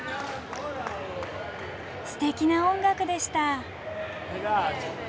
すてきな音楽でした。